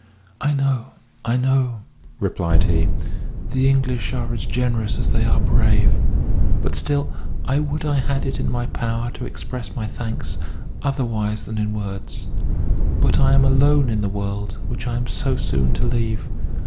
"I know I know," replied he, "the English are as generous as they are brave; but still I would I had it in my power to express my thanks otherwise than in words. But I am alone in the world which I am so soon to leave.